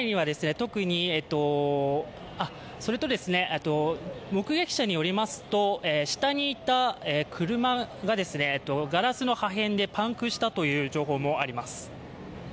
それと目撃者によりますと、下にいた車がガラスの破片でパンクしたという情報もあります。